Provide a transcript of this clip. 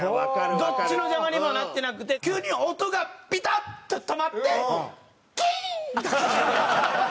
どっちの邪魔にもなってなくて急に音がピタッ！と止まってキーン！